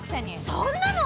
そんなの！